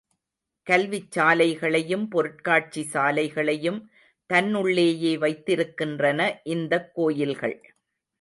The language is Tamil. கல்விச்சாலைகளையும், பொருட்காட்சி சாலைகளையும் தன்னுள்ளேயே வைத்திருக்கின்றன இந்தக் கோயில்கள்.